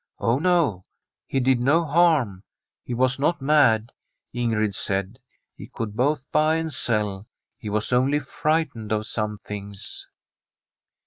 Oh no, he did no harm. He was not mad, Ingrid said ; he could both buy and sell. He was only frightened of some things.